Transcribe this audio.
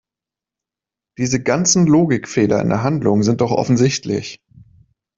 Diese ganzen Logikfehler in der Handlung sind doch offensichtlich!